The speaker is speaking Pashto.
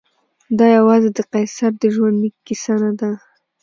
دا یوازې د قیصر د ژوندلیک کیسه نه ده.